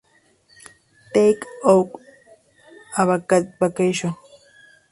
Take a Vacation!